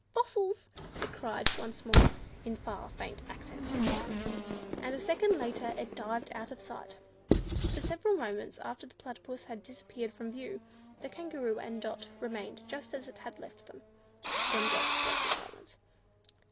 "Fossils!" it cried once more, in far, faint accents; and a second later it dived out of sight. For several moments after the Platypus had disappeared from view, the Kangaroo and Dot remained just as it had left them. Then Dot broke the silence.